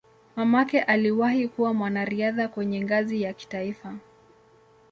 Mamake aliwahi kuwa mwanariadha kwenye ngazi ya kitaifa.